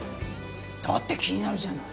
だって気になるじゃない。